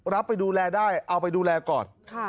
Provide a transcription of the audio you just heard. ไปดูแลได้เอาไปดูแลก่อน